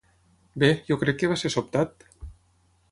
Bé, jo crec que va ser sobtat!